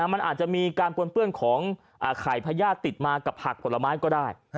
มันอาจจะมีการปนเปื้อนของไข่พญาติติดมากับผักผลไม้ก็ได้